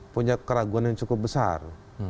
punya keraguan yang cukup besar